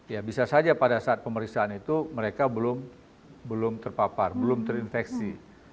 ya bisa saja pada saat pemeriksaan itu mereka belum terpapar belum terinfeksi